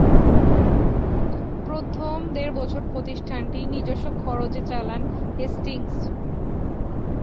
প্রথম দেড় বছর প্রতিষ্ঠানটি নিজস্ব খরচে চালান হেস্টিংস।